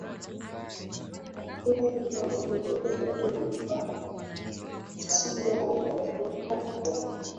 kwa hatua Waturuki walikaa Asia ya Kati